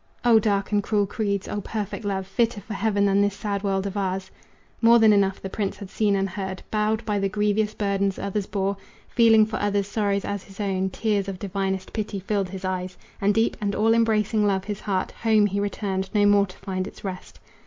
O dark and cruel creeds, O perfect love, Fitter for heaven than this sad world of ours! More than enough the prince had seen and heard. Bowed by the grievous burdens others bore, Feeling for others' sorrows as his own, Tears of divinest pity filled his eyes And deep and all embracing love his heart. Home he returned, no more to find its rest.